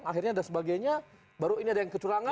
akhirnya dan sebagainya baru ini ada yang kecurangan